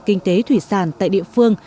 kinh tế thủy sản tại địa phương